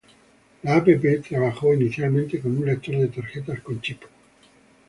La app trabajó inicialmente con un lector de tarjetas con chip.